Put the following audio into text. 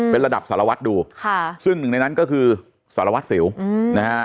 เป็นระดับสารวัตรดูค่ะซึ่งหนึ่งในนั้นก็คือสารวัตรสิวนะฮะ